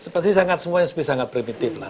pasti semuanya sangat sangat primitif lah